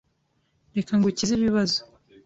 Reka ngukize ibibazo.